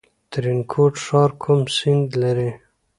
ترینکوټ ښار کوم سیند لري؟